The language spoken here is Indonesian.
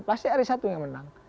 pasti ada satu yang menang